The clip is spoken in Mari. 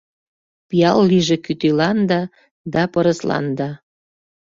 Пиал лийже кӱтӱланда да пырысланда!